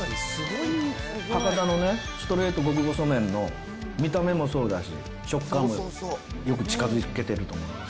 博多のストレート極細麺の、見た目もそうだし、食感も、よく近づけてると思います。